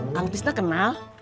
kang pisna kenal